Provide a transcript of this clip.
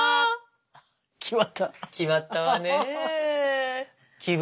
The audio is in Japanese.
決まったわね。